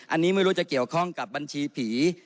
อันนี้ไม่รู้จะเกี่ยวข้องกับบัญชีผี